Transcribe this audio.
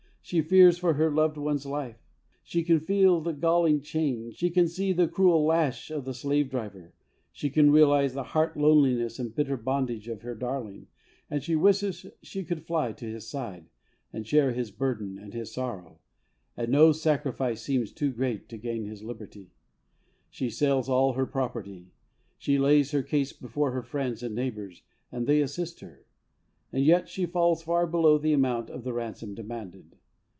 She fears for her loved one's life, she can feel the galling chain, she can see the cruel lash of the slave driver, she can realise the heart HOLINESS AND SELF DENIAL, 75 loneliness and bitter bondage of her darling, and she wishes she could fly to his side and share his burden and his sorrow, and no sacrifice seems too great to gain his liberty. She sells all her property, she lays her case before her friends and neighbours, and they assist her, and yet she falls far below the amount of the ransom demanded.